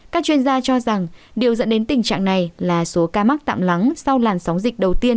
các chuyên gia cho rằng điều dẫn đến tình trạng này là số ca mắc tạm lắng sau làn sóng dịch đầu tiên